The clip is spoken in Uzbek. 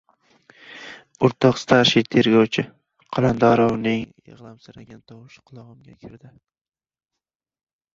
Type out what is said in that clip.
— O‘rtoq starshiy tergovchi! — Qalandarovning yig‘lamsiragan tovushi qulog‘imga kirdi.